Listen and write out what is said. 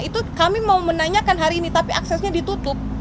itu kami mau menanyakan hari ini tapi aksesnya ditutup